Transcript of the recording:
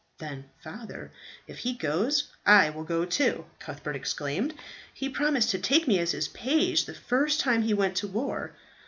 "Then, Father, if he goes, I will go too," Cuthbert exclaimed. "He promised to take me as his page the first time he went to war."